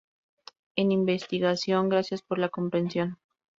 En investigación, gracias por la comprensión.